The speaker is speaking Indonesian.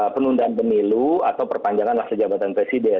penundaan pemilu atau perpanjangan masa jabatan presiden